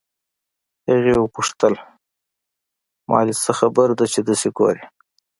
هغې وپوښتل مالې څه خبره ده چې دسې ګورې.